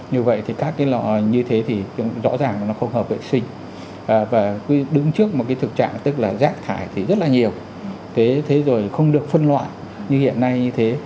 như vậy thì các cái lò như thế thì rõ ràng là nó không hợp vệ sinh và cứ đứng trước một cái thực trạng tức là rác thải thì rất là nhiều thế rồi không được phân loại như hiện nay như thế